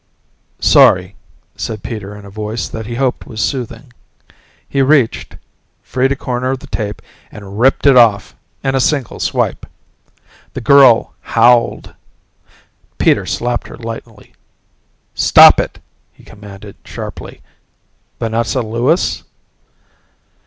"Sorry," said Peter in a voice that he hoped was soothing. He reached, freed a corner of the tape and ripped it off in a single swipe. The girl howled. Peter slapped her lightly. "Stop it!" he commanded sharply. "Vanessa Lewis?"